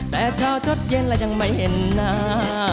แต่เช้าชดเย็นเรายังไม่เห็นหน้า